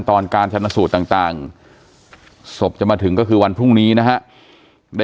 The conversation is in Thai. ท่านผู้ชมครับ